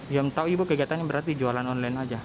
yang tahu ibu kegiatannya berarti jualan online saja